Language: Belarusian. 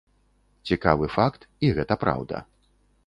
Цікавы факт, і гэта праўда.